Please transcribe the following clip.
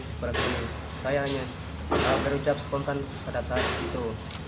saya hanya berucap spontan pada saat itu